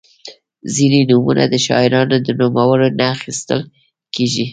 • ځینې نومونه د شاعرانو د نومونو نه اخیستل کیږي.